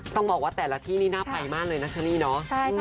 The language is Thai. ต้องบอกว่าแต่ละที่นี่น่าไปมากเลยนะเชอรี่เนาะ